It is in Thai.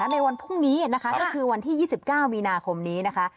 ในวันพรุ่งนี้นะคะก็คือวันที่๒๙มีนาคมนี้นะคะ